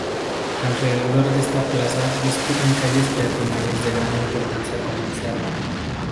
Alrededor de esta plaza discurren calles peatonales de gran importancia comercial.